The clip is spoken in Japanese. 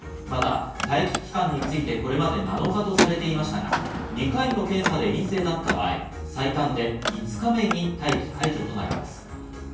また待機期間について、これまで７日とされていましたが、２回の検査で陰性だった場合、最短で５日目に待機解除となります。